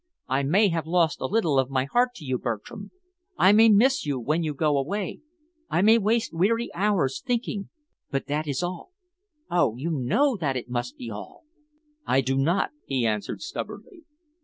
I may have lost a little of my heart to you, Bertram, I may miss you when you go away, I may waste weary hours thinking, but that is all. Oh, you know that it must be all!" "I do not," he answered stubbornly.